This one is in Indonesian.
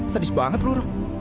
sedis banget lu roro